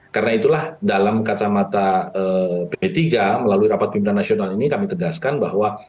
karena itulah dalam kacamata p tiga melalui rapat pimpinan nasional ini kami tegaskan bahwa